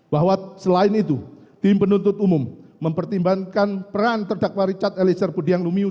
bahwa selain itu tim penuntut umum mempertimbangkan peran terdakwa richard eliezer budiang lumiu